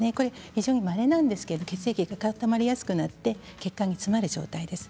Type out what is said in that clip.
非常に、まれなんですけど血液が固まりやすくなって血管が詰まる状態です。